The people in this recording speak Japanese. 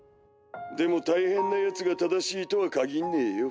でも大変なヤツが正しいとはかぎんねぇよ。